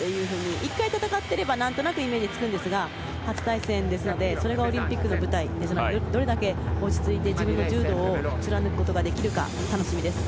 １回、戦っていれば何となくイメージがつくんですが初対戦ですのでそれがオリンピックの舞台なのでどれだけ落ち着いて自分の柔道を貫くことができるか楽しみです。